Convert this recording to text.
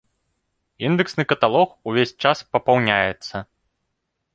Індэксны каталог увесь час папаўняецца.